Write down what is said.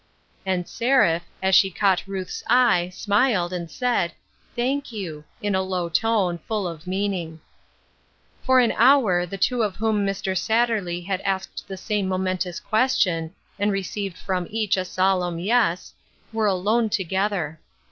And Seraph, as she caught Ruth's eye, smiled, and said, " Thank you," in a low tone, full of meaning. For an hour, the two of whom Mr. Satterley had asked the same momentous question, and 26o TRANSFORMATION. received from each a solemn Yes, were alone together.